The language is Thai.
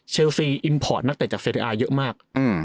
ซีอิมพอร์ตนักเตะจากเซริอาเยอะมาก